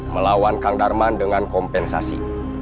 melawan kang darman dengan kompensasi